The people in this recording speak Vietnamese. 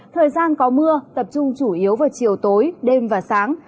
thời gian có mưa tập trung chủ yếu vào chiều tối đêm và sáng